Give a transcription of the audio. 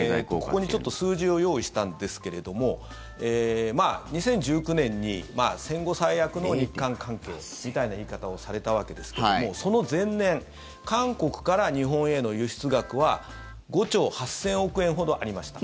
ここにちょっと数字を用意したんですけれども２０１９年に戦後最悪の日韓関係みたいな言い方をされたわけですけどもその前年韓国から日本への輸出額は５兆８０００億円ほどありました。